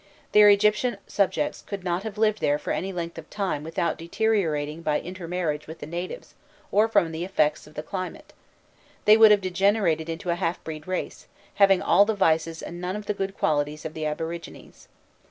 Their Egyptian subjects could not have lived there for any length of time without deteriorating by intermarriage with the natives or from the effects of the climate; they would have degenerated into a half bred race, having all the vices and none of the good qualities of the aborigines.